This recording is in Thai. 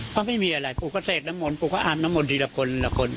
เพราะไม่มีอะไรปูก็เสกน้ำมนต์ปูก็อาจน้ำมนต์ทีละคน